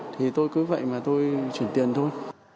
thì tôi cứ vậy mà tôi chuyển tiền thôi